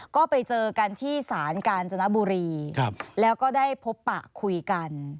ก็ไปเจอกันที่ศาลกาญจนบุรีแล้วก็ได้พบปะคุยกัน